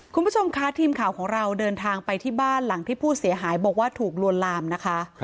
คุณผู้ชมคะทีมข่าวของเราเดินทางไปที่บ้านหลังที่ผู้เสียหายบอกว่าถูกลวนลามนะคะ